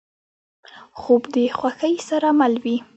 خوب د خوښۍ سره مل وي